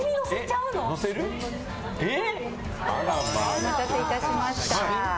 お待たせいたしました。